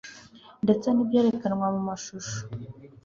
ndetse n' ibyerekanywa mu mashusho